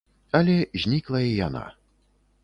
Але знікла і яна.